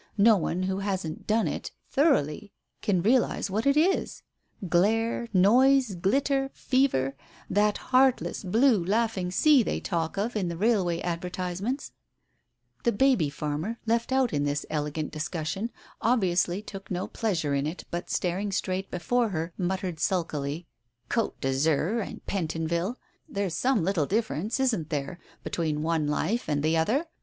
No one who hasn't done it, thoroughly can realize what it is. Glare, noise, glitter, fever — that heartless, blue, laughing sea they talk of in the railway advertise ments " The baby farmer, left out in this elegant discussion, obviously took no pleasure in it, but staring straight before her, muttered sulkily — "Cote d'Azur and Pentonville 1 There's some little difference, isn't there, between one life and the other?